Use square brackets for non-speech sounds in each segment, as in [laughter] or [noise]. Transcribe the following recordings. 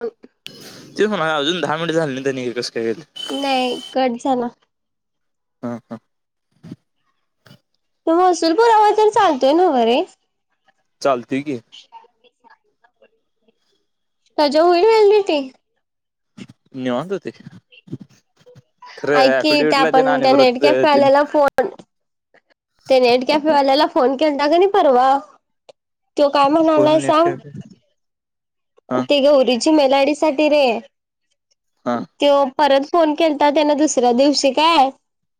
अं.... तेच म्हणालोय, अजून दहा मिनिटं झाले नाहीत आणि कस काय गेले. नाही, कट झाला. हा हा तो महसूल पुरावा तर चालतोय नव्हं रे? चालतुय की. त्यांच्यावर होईल व्हॅलिडीटी. निवांत हुतंय. ऐक की, त्या आपण त्या परत त्याने नेटकॅफेवाल्याला फोन त्या नेटकॅफे वाल्याला फोन केलता का नाही परवा त्यो काय कोण म्हणालाय नेट सांग? काय हा ते गौरीची मेलआयडी साठी रे हा त्यो परत फोन केलता त्यांन दुसऱ्या दिवशी काय,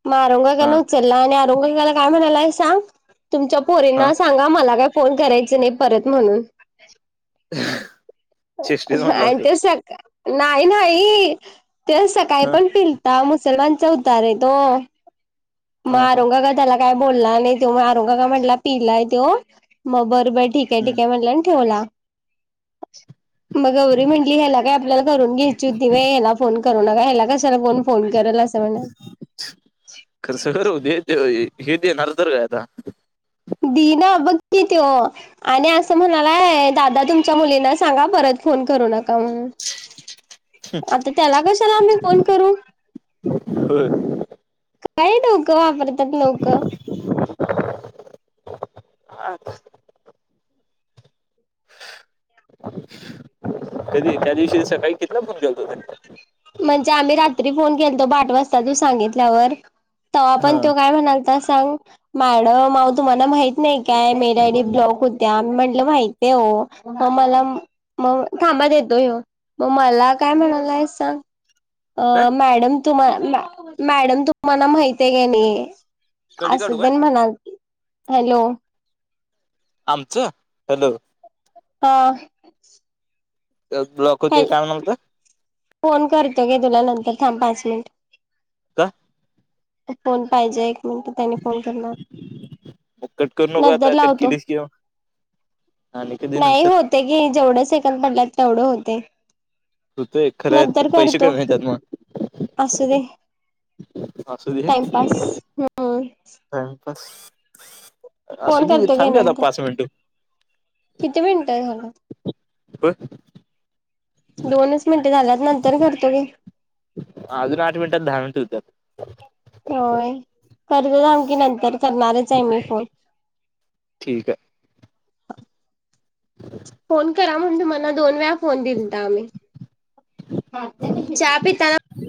मग अरूण हा दादानं उचलला आणि मारु दादाला काय म्हणाला सांग, तुमच्या हा पोरींना सांगा मला काय फोन करायच नाही परत म्हणून. [unintelligible] चेष्टीत म्हटला आणि असं ते सका, नाही नाही ते सकाळी हा पण प पाय मुसलमानचा होता रे तो. हा हा मारुंगा काय बोलला नाही तो मारुंगा म्हणला पिलाय त्यो. मग बरं बर ठीक आहे हम्म. ठीके म्हणला न ठेवला. मग गौरी म्हणली ह्याला काय आपल्याला करून घ्यायची व्हय ह्याला फोन करू नका ह्याला कशाला फोन फोन करायला असं म्हण खरस कर दे ते हे देणार तर काय आता. दि ना बघकी तो आणि असं म्हणालाय दादा तुमच्या मुलींना सांगा परत फोन करू नका म्हणून. आता त्याला कशाला आम्ही फोन करू [unintelligible] काही डोकं वापरतात लोकं [inaudible] [unintelligible] कधी त्या दिवशी सकाळी कितीला फोन केलता तनी म्हणजे आम्ही रात्री फोन केल तो आठ वाजता तू सांगितल्यावर तेव्हा हा पण तो काय म्हणालता सांग मॅडम अहो तुम्हाला माहित नाही काय मेड आयाडी ब्लॉक होत्या मी म्हटलं माहित आहे हो मला मग थांबा देतो ह्यो मग मला काय म्हणालाय सांग अ काय मॅडम तुम्हाला मॅडम तुम्हाला माहती आहे काय नाही कडी अस काढू काय तेंन म्हणालतीत हॅलो. आमचं हॅलो हा ब्लॉक ह होतय काय म्हणालत? फोन करतो घे तुला नंतर थांब पाच मिनिट. का? फोन पाहिजे म्हण त्यानी फोन करणार कट करू नको नंतर आता कट लावतो. केलीस किंवा आणि कधी नंतर? ते घे जेवढे सेकंद पडलेत तेवढं होतय. होतय खरं तर पैसे कमी येतात मग असु दे. असु दे टाइमपास हम्म टाइमपास फोन असुदे करतो घे थांब की आता नंतर पाच मिनट. किती मिनिटं झालं? दोनच मिनटे झाल्यात नंतर करतो घे अजून आठ मिनिटात दहा मिनिट होतात होय करतो थांब की नंतर करणारच आहे मी फोन ठीक आहे. फोन करा म्हणून तुम्हाला दोन वेळा फोन दिलता आम्ही चहा पिताना